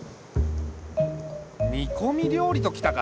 煮こみ料理と来たか。